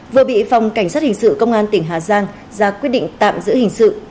vừa bị phòng cảnh sát hình sự công an tỉnh hà giang ra quyết định tạm giữ hình sự